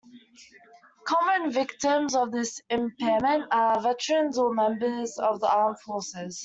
Common victims of this impairment are veterans or members of the armed forces.